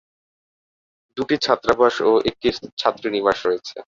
দুটি ছাত্রাবাস ও একটি ছাত্রীনিবাস রয়েছে।